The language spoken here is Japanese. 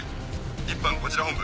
１班こちら本部。